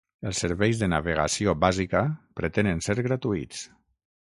Els serveis de navegació bàsica pretenen ser gratuïts.